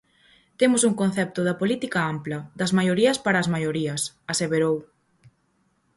"Temos un concepto da política ampla, das maiorías para as maiorías" aseverou.